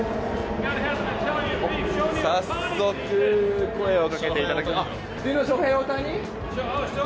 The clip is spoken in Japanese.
早速声をかけていただきました。